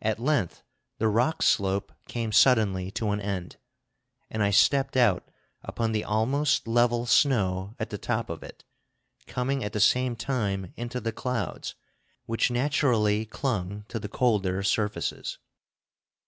At length the rock slope came suddenly to an end, and I stepped out upon the almost level snow at the top of it, coming at the same time into the clouds, which naturally clung to the colder surfaces.